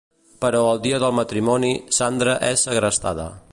Però el dia del matrimoni, Sandra és segrestada.